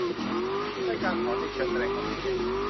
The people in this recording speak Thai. ด้วยการสอนในเชิงแสดงความคิดเห็น